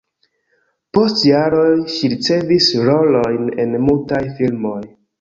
Post jaroj ŝi ricevis rolojn en mutaj filmoj.